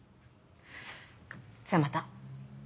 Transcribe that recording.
じゃあまた。